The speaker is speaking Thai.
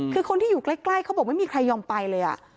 คือคนที่อยู่ใกล้เขาบอกไม่มีใครยอมไปเลย